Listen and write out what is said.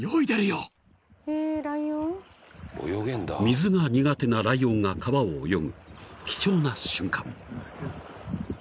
［水が苦手なライオンが川を泳ぐ貴重な瞬間］